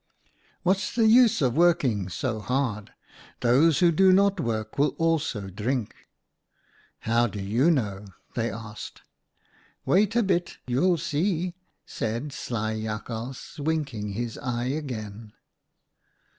"' What's the use of working so hard ? Those who do not work will also drink.' "' How do you know ?' they asked. "' Wait a bit, you'll see,' said sly Jakhals, winking his eye again.